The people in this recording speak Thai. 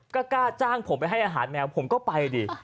ก็กล้าจ้างผมไปให้อาหารแมวผมก็ไปดิ